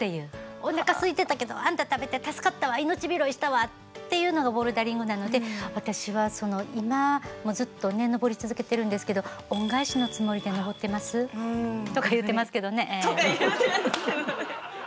「おなかすいてたけどあんた食べて助かったわ命拾いしたわ」っていうのがボルダリングなので私はその今ずっと登り続けてるんですけど恩返しのつもりで登ってます。とか言うてますけどね。とか言うてますけどね。